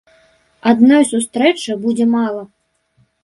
Адной сустрэчы будзе мала.